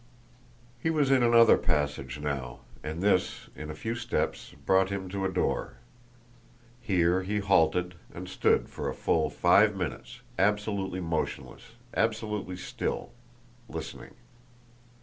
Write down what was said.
He was in another passage now, and this, in a few steps, brought him to a door. Here he halted, and stood for a full five minutes, absolutely motionless, absolutely still, listening.